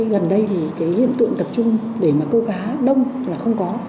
gần đây thì cái hiện tượng tập trung để mà câu cá đông là không có